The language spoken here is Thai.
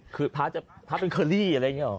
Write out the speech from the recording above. คือพระภาพเป็นคารอรี่ไรเงี้ยอ๋อ